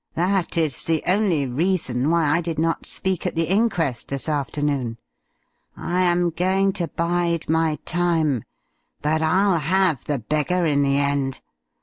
That is the only reason why I did not speak at the inquest this afternoon. I am going to bide my time, but I'll have the beggar in the end.